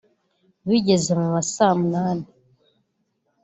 Bigeze mu ma saa munani